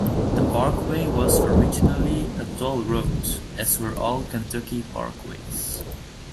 The parkway was originally a toll road, as were all Kentucky parkways.